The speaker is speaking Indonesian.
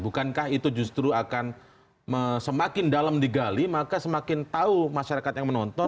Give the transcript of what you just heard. bukankah itu justru akan semakin dalam digali maka semakin tahu masyarakat yang menonton